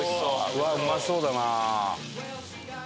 うわっうまそうだな。